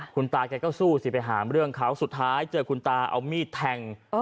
คุณตาแกก็สู้สิไปหาเรื่องเขาสุดท้ายเจอคุณตาเอามีดแทง